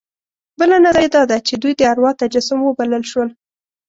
بله نظریه دا ده چې دوی د اروا تجسم وبلل شول.